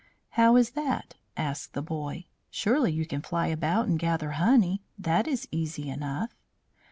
"How is that?" asked the boy. "Surely you can fly about and gather honey? That is easy enough."